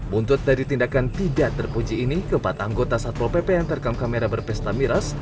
buntut dari tindakan tidak terpuji ini keempat anggota satpol pp yang terekam kamera berpesta miras